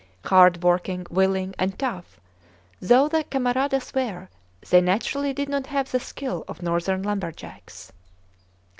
Hardworking, willing, and tough though the camaradas were, they naturally did not have the skill of northern lumberjacks.